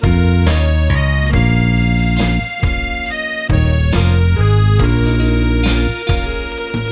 ครับ